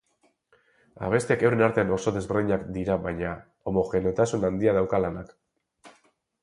Abestiak euren artean oso desberdinak dira baina homogeneotasun handia dauka lanak.